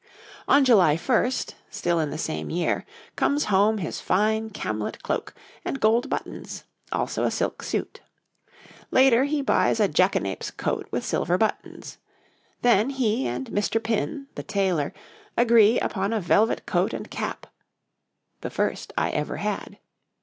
On July 1, still in the same year, comes home his fine camlett cloak and gold buttons; also a silk suit. Later he buys a jackanapes coat with silver buttons. Then he and Mr. Pin, the tailor, agree upon a velvet coat and cap ('the first I ever had').